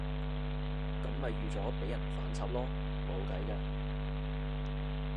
噉咪預咗畀人反插囉，冇計㗎